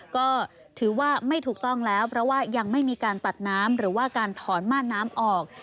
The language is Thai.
ก็ถือว่าไม่ถูกต้องแล้วเพราะว่ายังไม่มีการตัดน้ำหรือว่าการถอนม่านน้ำออก